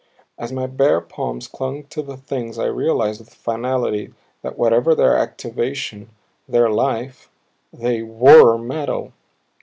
As my bare palms clung to the Things I realized with finality that whatever their activation, their life, they WERE metal.